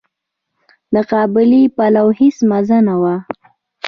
د قابلي پلو هيڅ مزه نه وه.